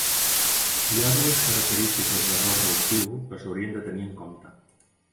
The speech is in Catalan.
Hi ha dues característiques d'error relatiu que s'haurien de tenir en compte.